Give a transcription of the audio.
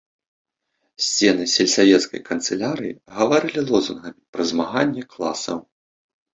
Сцены сельсавецкай канцылярыі гаварылі лозунгамі пра змаганне класаў.